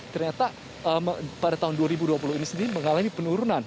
ternyata pada tahun dua ribu dua puluh ini sendiri mengalami penurunan